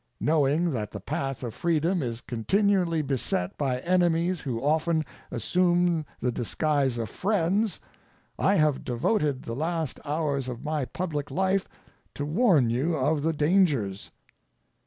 Knowing that the path of freedom is continually beset by enemies who often assume the disguise of friends, I have devoted the last hours of my public life to warn you of the dangers.